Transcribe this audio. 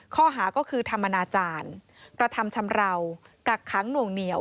ข้อหาก็คือทำอนาจารย์กระทำชำราวกักขังหน่วงเหนียว